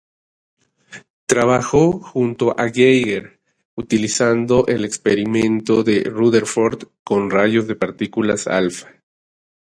Trabajó junto a Geiger, utilizando el experimento de Rutherford con rayos de partículas alfa.